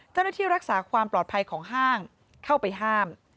เจ้าหน้าที่รักษาความปลอดภัยของห้างเข้าไปห้าม